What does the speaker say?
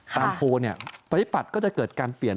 ตามโน้ยภัยปัทก็จะเกิดการเปลี่ยน